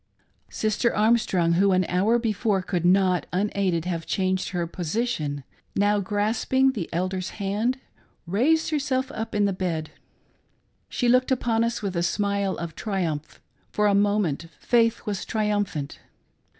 " Sister Armstrong, who an hour before could not, unaided, have changed her position, now grasping the elder's hand, raised herself up in the bed. She looked upon us with a smile of triumph for a moment — ^faith was triumphant.